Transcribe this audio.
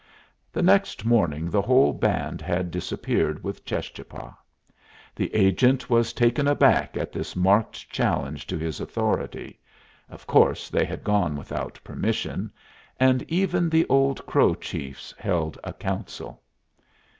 The next morning the whole band had disappeared with Cheschapah. The agent was taken aback at this marked challenge to his authority of course they had gone without permission and even the old Crow chiefs held a council.